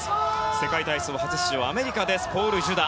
世界体操初出場のアメリカのポール・ジュダ。